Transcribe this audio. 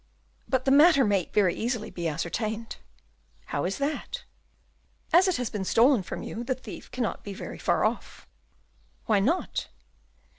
"But the matter may very easily be ascertained." "How is that?" "As it has been stolen from you, the thief cannot be far off." "Why not?"